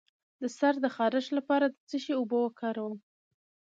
د سر د خارښ لپاره د څه شي اوبه وکاروم؟